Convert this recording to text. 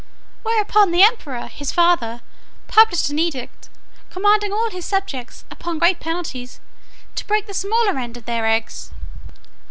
Whereupon the emperor his father published an edict, commanding all his subjects, upon great penalties, to break the smaller end of their eggs.